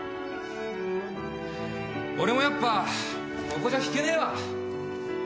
俺もやっぱここじゃ引けねえわ。